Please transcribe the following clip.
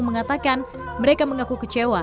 mengatakan mereka mengaku kecewa